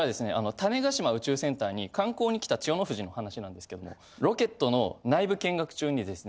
種子島宇宙センターに観光に来た千代の富士の話なんですけどもロケットの内部見学中にですね